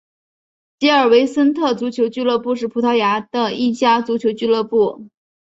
吉尔维森特足球俱乐部是葡萄牙的一家足球俱乐部。